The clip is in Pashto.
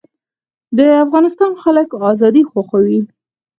د افغانستان خلک ازادي خوښوي